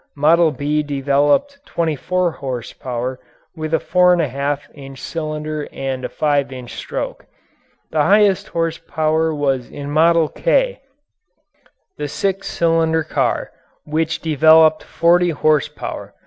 "Model B" developed twenty four horsepower with a 4 1/2 inch cylinder and a 5 inch stroke. The highest horsepower was in "Model K," the six cylinder car, which developed forty horsepower.